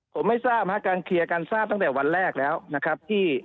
ผมไม่ทราบการเคลียร์การทราบตั้งแต่วันแรกแล้วนะครับที่